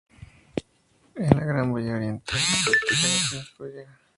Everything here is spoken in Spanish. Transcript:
En la gran bahía oriental se practica la piscicultura.